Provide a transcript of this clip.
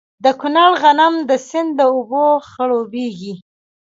د کونړ غنم د سیند له اوبو خړوبیږي.